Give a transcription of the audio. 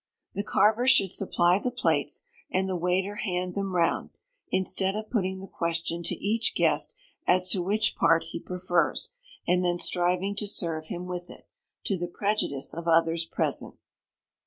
The carver should supply the plates, and the waiter hand them round, instead of putting the question to each guest as to which part he prefers, and then striving to serve him with it, to the prejudice of others present.